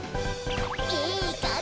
いいかんじ！